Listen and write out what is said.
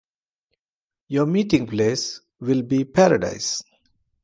Your meeting-place will be Paradise.